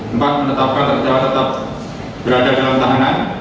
empat menetapkan terdakwa tetap berada dalam tahanan